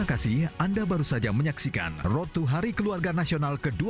hidup berencana itu keren